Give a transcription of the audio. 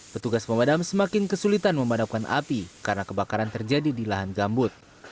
petugas pemadam semakin kesulitan memadamkan api karena kebakaran terjadi di lahan gambut